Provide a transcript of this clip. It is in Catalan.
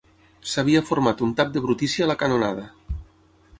S'havia format un tap de brutícia a la canonada.